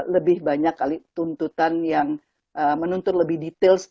lebih banyak kali tuntutan yang menuntut lebih detail